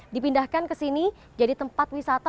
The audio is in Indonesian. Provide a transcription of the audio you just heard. dipindahkan ke sini jadi tempat wisata